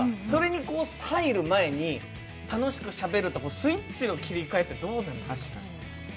それに入る前に楽しくしゃべるとスイッチの切替ってどうなんですか？